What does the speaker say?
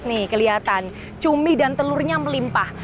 nih kelihatan cumi dan telurnya melimpah